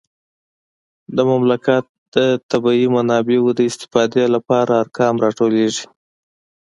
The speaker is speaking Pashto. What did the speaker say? د مملکت د طبیعي منابعو د استفادې لپاره ارقام راټولیږي